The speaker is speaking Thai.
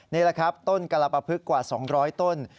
นี่แหละครับต้นกรปภึกกว่า๒๐๐ต้น